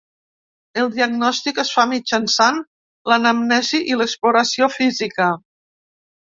El diagnòstic es fa mitjançant l'anamnesi i l'exploració física.